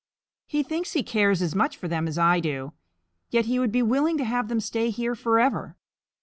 He thinks he cares as much for them as I do, yet he would be willing to have them stay here forever.